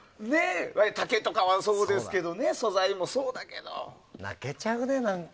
竹とかはそうですけど泣けちゃうね、何か。